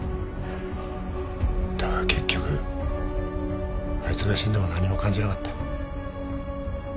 だが結局あいつが死んでも何も感じなかった。